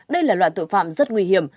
đây là loại tội phạm rất nguy hiểm